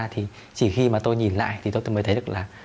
thì chỉ khi mà tôi nhìn lại thì tôi mới thấy được là